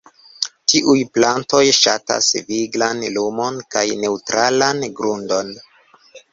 Tiuj plantoj ŝatas viglan lumon kaj neŭtralan grundon.